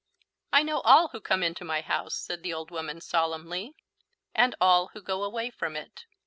"I know all who come into my house," said the old woman solemnly, "and all who go away from it."